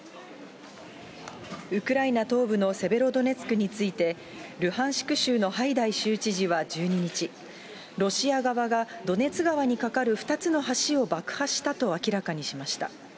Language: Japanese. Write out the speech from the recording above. ウクライナ東部のセベロドネツクについて、ルハンシク州のハイダイ州知事は１２日、ロシア側がドネツ川に架かる２つの橋を爆破したと明らかにしました。